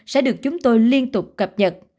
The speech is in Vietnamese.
sẽ được chúng tôi liên tục cập nhật